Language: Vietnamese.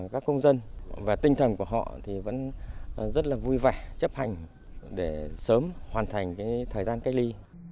các công dân và tinh thần của họ thì vẫn rất là vui vẻ chấp hành để sớm hoàn thành thời gian cách ly